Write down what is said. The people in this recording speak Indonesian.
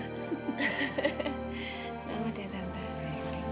selamat datang tante